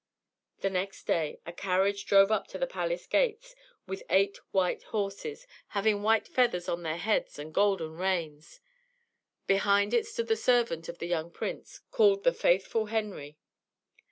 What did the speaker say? The next day a carriage drove up to the palace gates with eight white horses, having white feathers on their heads and golden reins. Behind it stood the servant of the young prince, called the Faithful Henry.